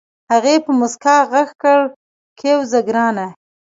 هغې په موسکا غږ کړ کېوځه ګرانه.